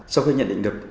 sau khi nhận định được